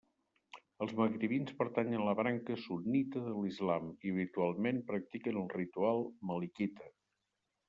Els magribins pertanyen a la branca sunnita de l'islam i habitualment practiquen el ritual malikita.